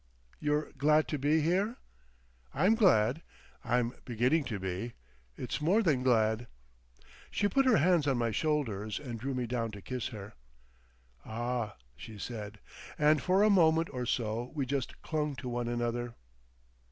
"You're glad to be here?" "I'm glad—I'm beginning to be—it's more than glad." She put her hands on my shoulders and drew me down to kiss her. "Ah!" she said, and for a moment or so we just clung to one another.